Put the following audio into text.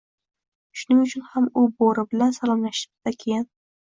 Shuning uchun ham u Boʻri bilan salomlashibdi-da, keyin: